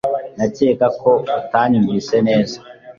Ndakeka ko utanyumvise neza